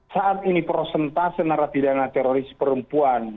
saat ini prosentas senara pidana teroris perempuan